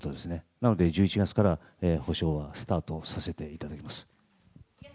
なので１１月から補償はスタートさせていただきます。